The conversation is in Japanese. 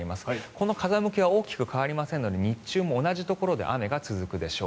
この風向きは大きく変わりませんので日中も同じところで雨が続くでしょう。